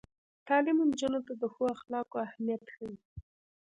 تعلیم نجونو ته د ښو اخلاقو اهمیت ښيي.